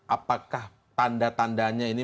apakah tanda tandanya ini